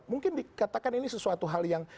mungkin dikatakan ini sesuatu hal yang